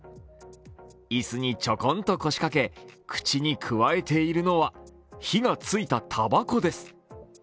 椅子にちょこんと腰掛け口にくわえているのは火がついたたばこです。